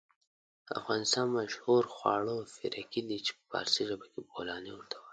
د افغانستان مشهور خواړه پيرکي دي چې په فارسي ژبه کې بولانى ورته وايي.